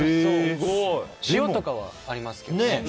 塩とかはありますけどね。